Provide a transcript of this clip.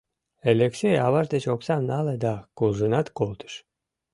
Элексей аваж деч оксам нале да куржынат колтыш.